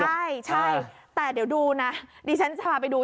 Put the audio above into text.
ใช่ใช่แต่เดี๋ยวดูนะดิฉันจะพาไปดู